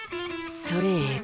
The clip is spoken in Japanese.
それええ